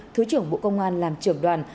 thứ trưởng bộ công an làm trưởng đoàn